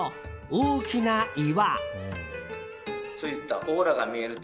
大きな岩。